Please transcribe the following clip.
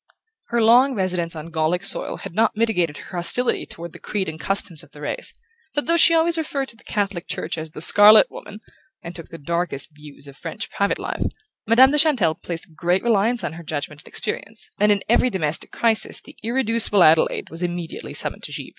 Her long residence on Gallic soil had not mitigated her hostility toward the creed and customs of the race, but though she always referred to the Catholic Church as the Scarlet Woman and took the darkest views of French private life, Madame de Chantelle placed great reliance on her judgment and experience, and in every domestic crisis the irreducible Adelaide was immediately summoned to Givre.